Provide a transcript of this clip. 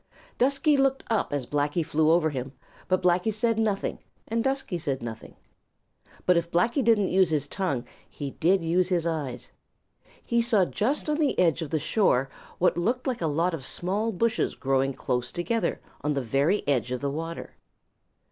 Dusky looked up as Blacky flew over him, but Blacky said nothing, and Dusky said nothing. But if Blacky didn't use his tongue, he did use his eyes. He saw just on the edge of the shore what looked like a lot of small bushes growing close together on the very edge of the water.